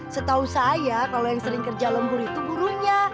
setahu saya kalau yang sering kerja lembur itu gurunya